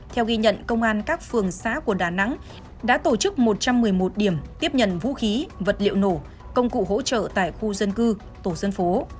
theo ghi nhận công an các phường xã của đà nẵng đã tổ chức một trăm một mươi một điểm tiếp nhận vũ khí vật liệu nổ công cụ hỗ trợ tại khu dân cư tổ dân phố